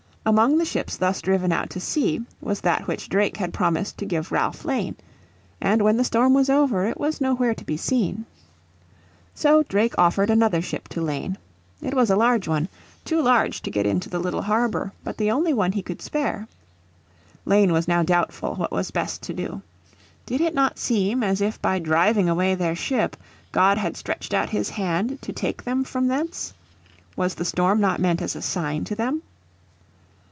Among the ships thus driven out to sea was that which Drake had promised to give Ralph Lane. And when the storm was over it was nowhere to be seen. So Drake offered another ship to Lane. It was a large one, too large to get into the little harbour, but the only one he could spare. Lane was now doubtful what was best to do. Did it not seem as if by driving away their ship God had stretched out His hand to take them from thence? Was the storm not meant as a sign to them?